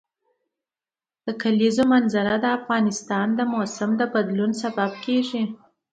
د کلیزو منظره د افغانستان د موسم د بدلون سبب کېږي.